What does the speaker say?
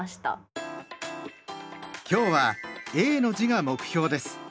今日は「永」の字が目標です。